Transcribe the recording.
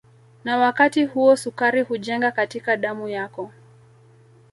Na wakati huo sukari hujenga katika damu yako